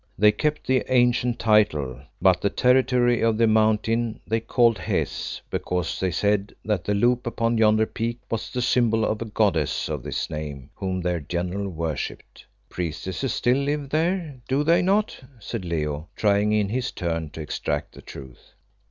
They kept the ancient title, but the territory of the Mountain they called Hes, because they said that the loop upon yonder peak was the symbol of a goddess of this name whom their general worshipped." "Priestesses still live there, do they not?" said Leo, trying in his turn to extract the truth.